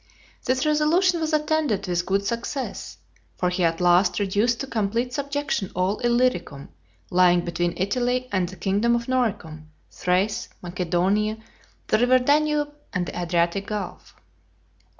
This resolution was attended with good success; for he at last reduced to complete subjection all Illyricum, lying between Italy and the kingdom of Noricum, Thrace, Macedonia, the river Danube, and the Adriatic gulf.